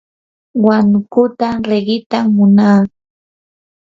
huanukuta riqitam munaa.